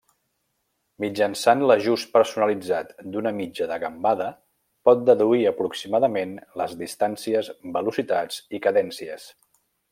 Mitjançant l'ajust personalitzat d'una mitja de gambada, pot deduir aproximadament les distàncies, velocitats i cadències.